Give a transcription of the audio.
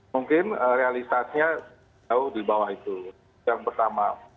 mungkin realitasnya jauh di bawah itu yang pertama